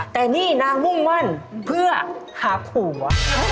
แต่นี่นางมุ่งมั่นเพื่อหาผัว